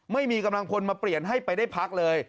ไม่มีกำลังพลมาเปลี่ยนให้ไปได้พักเลย